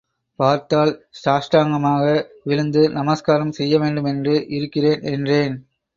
பார்த்தால் சாஷ்டாங்கமாக விழுந்து நமஸ்காரம் செய்யவேண்டுமென்று இருக்கிறேன் என்றேன்.